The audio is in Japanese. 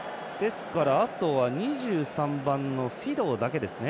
あとは２３番のフィドウだけです。